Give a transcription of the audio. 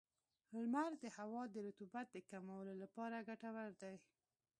• لمر د هوا د رطوبت د کمولو لپاره ګټور دی.